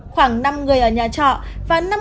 khoảng năm người ở nhà trọ và năm người của nhà trọ